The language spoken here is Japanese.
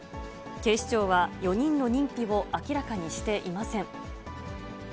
警視庁は、４人の認否を明らかにしていません。